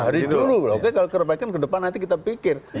dari dulu kalau kerebaikan ke depan nanti kita pikir